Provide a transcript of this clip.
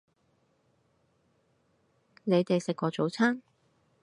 你哋食過早吂